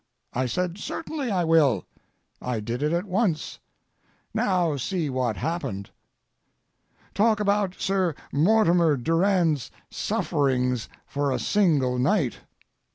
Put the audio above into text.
I said: "Certainly I will." I did it at once. Now, see what happened. Talk about Sir Mortimer Durand's sufferings for a single night!